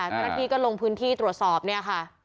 เมื่อกี้ก็ลงพื้นที่ตรวจสอบเนี่ยค่ะ